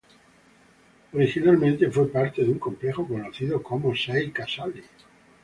Originalmente fue parte de un complejo conocido como Sei Casali.